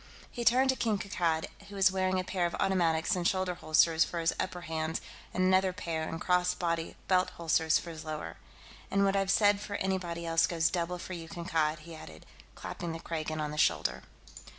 He turned to King Kankad, who was wearing a pair of automatics in shoulder holsters for his upper hands and another pair in cross body belt holsters for his lower. "And what I've said for anybody else goes double for you, Kankad," he added, clapping the Kragan on the shoulder.